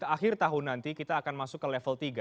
akhir tahun nanti kita akan masuk ke level tiga